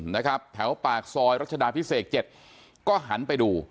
นะครับแถวปากซอยรัชดาพิเศษเจ็ดก็หันไปดู